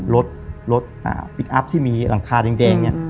รถรถพลิกอัพที่มีหลังคาแดงเนี่ย